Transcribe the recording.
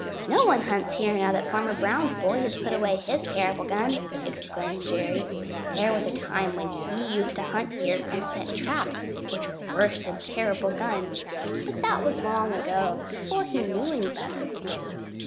"No one hunts here now that Farmer Brown's boy has put away his terrible gun," explained Jerry. "There was a time when he used to hunt here and set traps, which are worse than terrible guns, but that was long ago, before he knew any better."